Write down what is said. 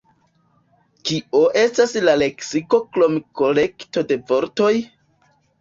Kio estas la leksiko krom kolekto de vortoj?